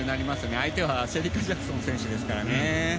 相手はシェリカ・ジャクソン選手ですからね。